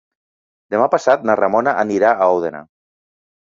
Demà passat na Ramona anirà a Òdena.